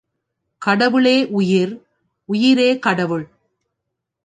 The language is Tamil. கடவுளே உயிர் உயிரே கடவுள்.